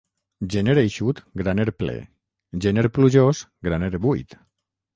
Gener eixut, graner ple; gener plujós, graner buit.